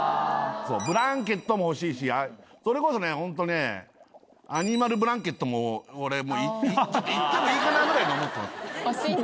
ブランケットも欲しいしそれこそホントねアニマルブランケットも俺行ってもいいかなぐらいに思ってます。